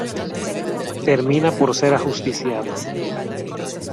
Termina por ser ajusticiado.